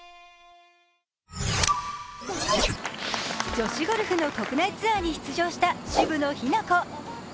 女子ゴルフの国内ツアーに出場した渋野日向子。